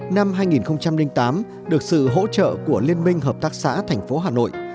năm hai nghìn tám được sự hỗ trợ của liên minh hợp tác xã thành phố hà nội